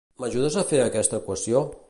M'ajudes a fer aquesta equació?